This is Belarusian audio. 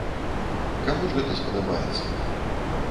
Каму ж гэта спадабаецца.